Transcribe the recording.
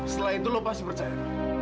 setelah itu lo pasti percaya